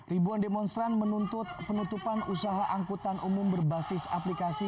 ribuan demonstran menuntut penutupan usaha angkutan umum berbasis aplikasi